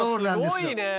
すごいね。